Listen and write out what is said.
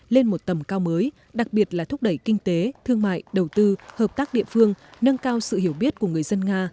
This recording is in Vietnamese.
lên một tầm cao mới đặc biệt là thúc đẩy kinh tế thương mại đầu tư hợp tác địa phương nâng cao sự hiểu biết của người dân nga